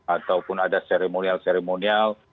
ataupun ada seremonial seremonial